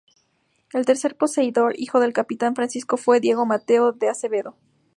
El tercer poseedor, hijo del capitán Francisco, fue Diego Mateo de Acevedo.